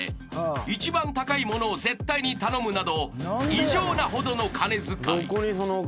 ［一番高いものを絶対に頼むなど異常なほどの金遣い］